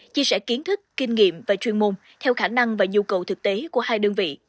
chia sẻ kiến thức kinh nghiệm và chuyên môn theo khả năng và nhu cầu thực tế của hai đơn vị